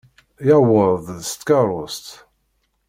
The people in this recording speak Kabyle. Yuweḍ-d s tkeṛṛust.